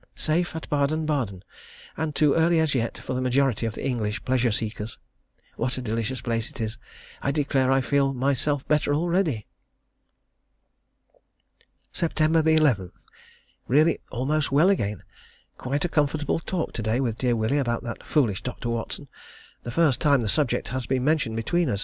Safe at Baden Baden; and too early as yet for the majority of the English pleasure seekers. What a delicious place it is; I declare I quite feel myself better already.... Sept. 11. Really almost well again. Quite a comfortable talk to day with dear Willie about that foolish Dr. Watson; the first time the subject has been mentioned between us, since that day when I got into such a passion about it.